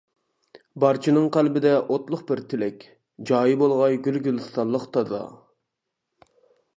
بارچىنىڭ قەلبىدە ئوتلۇق بىر تىلەك: جايى بولغاي گۈل-گۈلىستانلىق تازا!